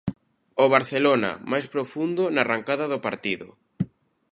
O Barcelona, máis profundo na arrancada do partido.